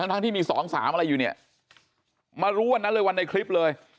ทั้งที่มี๒๓อะไรอยู่เนี่ยมารู้วันนั้นเลยวันในคลิปเลย